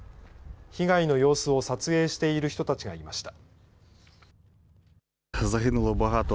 被害の様子を撮影している人たちがいました。